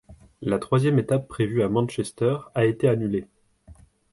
La troisième étape prévue à Manchester a été annulée.